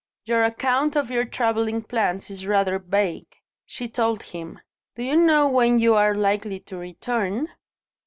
"Your account of your travelling plans is rather vague," she told him. "Do you know when you are likely to return?"